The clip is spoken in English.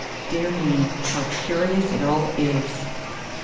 Dear me! How curious it all is!"